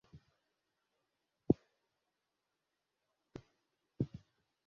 আদালত কার জবানবন্দি তথ্য তুলে ধরে বলেছেন?